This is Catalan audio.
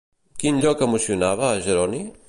Quin lloc emocionava a Jeroni?